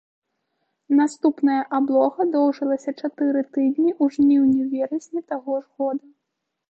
Наступная аблога доўжылася чатыры тыдні ў жніўні-верасні таго ж года.